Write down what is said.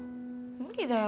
無理だよ